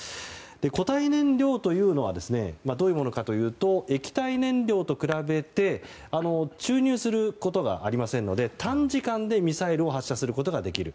固体燃料というのはどういうものかといいますと液体燃料と比べて注入することがありませんので短時間でミサイルを発射することができる。